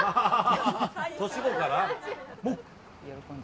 年子かな？